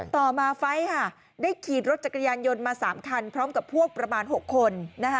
ต่อมาไฟล์ได้ขี่รถจักรยานยนต์มา๓คันพร้อมกับพวกประมาณ๖คน